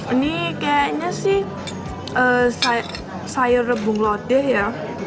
ini kayaknya sih sayur rebung lodeh ya